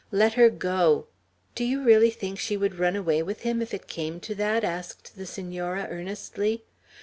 Let her go!" "Do you really think she would run away with him, if it came to that?" asked the Senora, earnestly.